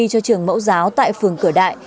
cho trường mẫu giáo tại phường cửa đại